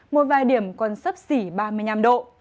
một vài điểm còn sấp xỉ ba mươi năm độ